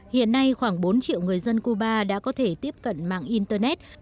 hiện nay khoảng bốn triệu người dân cuba đã có thể tiếp cận mạng internet